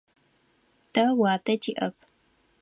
Тэ уатэ тиӏэп.